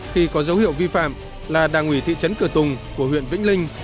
khi có dấu hiệu vi phạm là đảng ủy thị trấn cửa tùng của huyện vĩnh linh